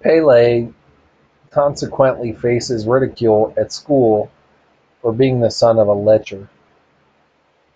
Pelle consequently faces ridicule at school for being the son of a lecher.